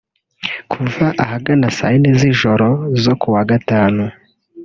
Kuva ahagana saa yine z’ijoro zo ku wa Gatanu